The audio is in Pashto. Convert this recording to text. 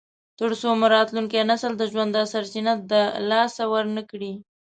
تر څو مو راتلونکی نسل د ژوند دا سرچینه د لاسه ورنکړي.